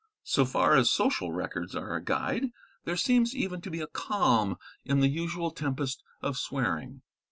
So far as social records are a guide, there seems even to be a calm in the usual tempest of swearing.